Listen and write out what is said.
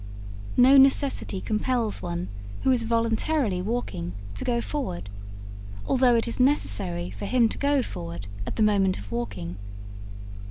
No necessity compels one who is voluntarily walking to go forward, although it is necessary for him to go forward at the moment of walking.